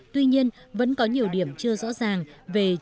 tuy nhiên vẫn có nhiều điểm chưa rõ ràng về chính quyền